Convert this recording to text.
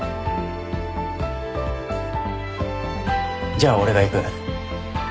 じゃあ俺がいく。